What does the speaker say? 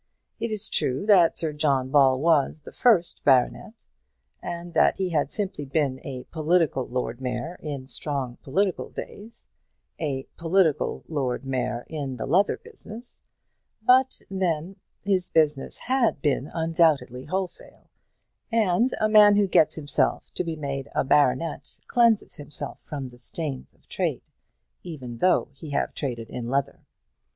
It is true that Sir John Ball was the first baronet, and that he had simply been a political Lord Mayor in strong political days, a political Lord Mayor in the leather business; but, then, his business had been undoubtedly wholesale; and a man who gets himself to be made a baronet cleanses himself from the stains of trade, even though he have traded in leather.